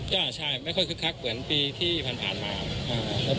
ก็ใช่ไม่ค่อยคึกคักเหมือนปีที่ผ่านมา